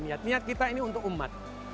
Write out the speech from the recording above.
niat niat kita ini untuk umat